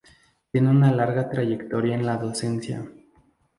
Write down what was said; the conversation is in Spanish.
Tiene una larga trayectoria en la docencia.